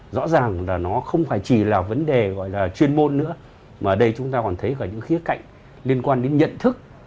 rõ ràng đây không chỉ là vấn đề chuyên môn nữa mà đây chúng ta còn thấy những khía cạnh liên quan đến nhận thức